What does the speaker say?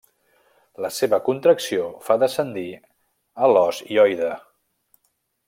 La seva contracció fa descendir a l'os hioide.